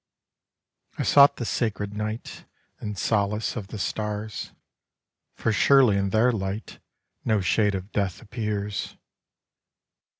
I sought the sacred Night And solace of the Stars, For surely in their light No shade of Death appears.